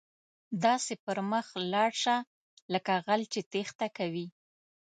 داسې پر مخ ولاړ شه، لکه غل چې ټیښته کوي.